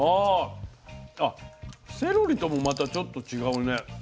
あセロリともまたちょっと違うね。